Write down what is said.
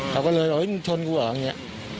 เขาก็เลยบอกมึงชนกูเหรออย่างนี้